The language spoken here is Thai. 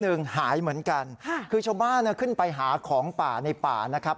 หายเหมือนกันค่ะคือชาวบ้านขึ้นไปหาของป่าในป่านะครับ